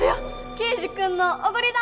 圭次君のおごりだ！